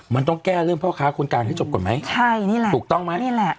มันต้องแก้เรื่องพ่อค้าคนกลางให้จบก่อนไหมใช่นี่แหละถูกต้องไหมนี่แหละ